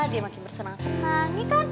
dia makin bersenang senang